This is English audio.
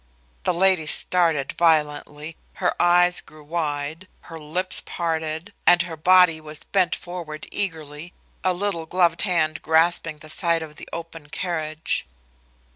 The lady started violently, her eyes grew wide, her lips parted, and her body was bent forward eagerly, a little gloved hand grasping the side of the open carriage.